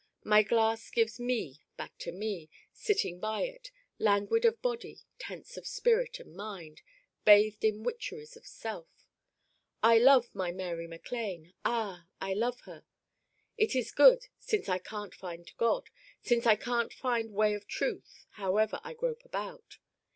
My glass gives Me back to Me, sitting by it, languid of Body, tense of spirit and Mind, bathed in witcheries of Self I love my Mary MacLane! Ah I love her! It is good since I can't find God, since I can't find way of truth however I grope about.